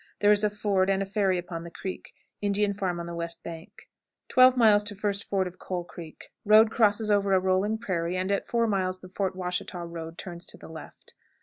There is a ford and a ferry upon the creek. Indian farm on the west bank. 12. First ford of Coal Creek. Road crosses over a rolling prairie, and at four miles the Fort Washita road turns to the left.